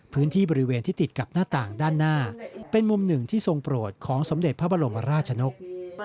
พื้นที่บริเวณที่ติดกับหน้าต่างด้านหน้าเป็นมุมหนึ่งที่ทรงโปรดของสมเด็จพระบรมราชนก